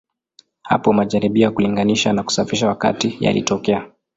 Hapo majaribio ya kulinganisha na kusafisha wakati yalitokea.